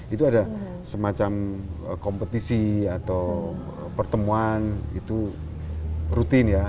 itu ada semacam kompetisi atau pertemuan itu rutin ya